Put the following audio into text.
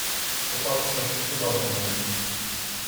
"Opatrzność czuwa nad nami."